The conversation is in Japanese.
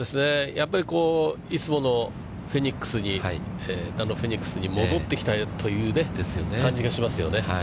やっぱりいつものフェニックスに戻ってきたという感じがしますよね。